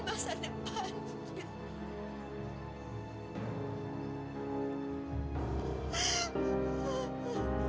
masa depan mil